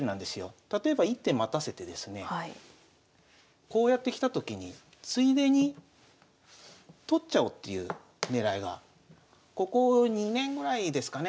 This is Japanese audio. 例えば１手待たせてですねこうやってきたときについでに取っちゃおうっていう狙いがここ２年ぐらいですかね